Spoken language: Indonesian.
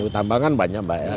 tambang kan banyak